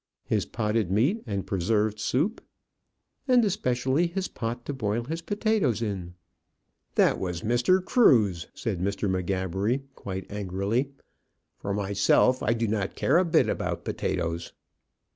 "His potted meat and preserved soup." "And especially his pot to boil his potatoes in." "That was Mr. Cruse," said Mr. M'Gabbery, quite angrily. "For myself, I do not care a bit about potatoes."